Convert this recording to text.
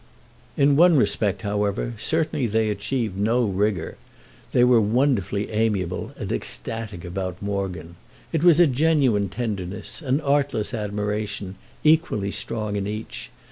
In one respect, however, certainly they achieved no rigour—they were wonderfully amiable and ecstatic about Morgan. It was a genuine tenderness, an artless admiration, equally strong in each.